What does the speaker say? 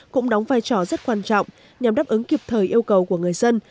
cũng đóng vai trò rất quan trọng nhằm đáp ứng kịp thời yêu cầu của người dân